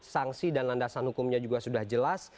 sanksi dan landasan hukumnya juga sudah jelas